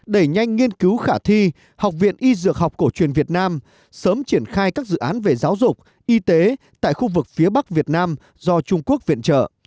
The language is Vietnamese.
để nhanh nghiên cứu khả thi học viện y dược học cổ truyền việt nam sớm triển khai các dự án về giáo dục y tế tại khu vực phía bắc việt nam do trung quốc viện trợ